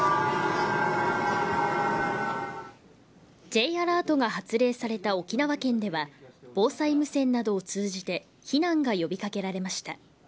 Ｊアラートが発令された沖縄県では防災無線などを通じて避難が呼び掛けられました。